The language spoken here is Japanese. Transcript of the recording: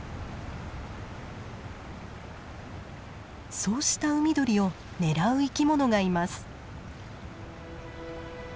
そうした海鳥を狙う生き物がいます。